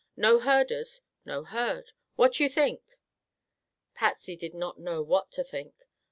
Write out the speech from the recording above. No herders, no herd. What you think?" Patsy did not know what to think.